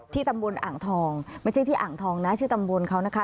ตำบลอ่างทองไม่ใช่ที่อ่างทองนะชื่อตำบลเขานะคะ